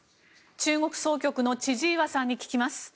中国総局の千々岩さんに聞きます。